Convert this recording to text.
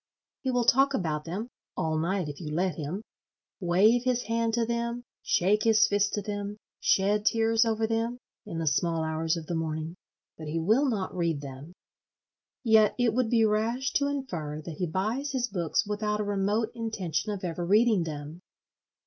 He will talk about them—all night if you let him—wave his hand to them, shake his fist at them, shed tears over them (in the small hours of the morning); but he will not read them. Yet it would be rash to infer that he buys his books without a remote intention of ever reading them.